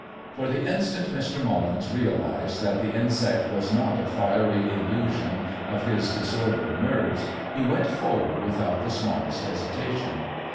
For the instant Mr. Mullins realised that the insect was not a fiery illusion of his disordered nerves, he went forward without the smallest hesitation.